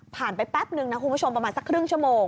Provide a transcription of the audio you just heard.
ไปแป๊บนึงนะคุณผู้ชมประมาณสักครึ่งชั่วโมง